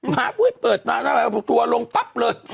ม้าเปิดตัวลงปั๊บเลย